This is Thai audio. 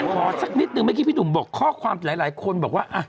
สักนิดนึงเมื่อกี้พี่หนุ่มบอกข้อความหลายคนบอกว่า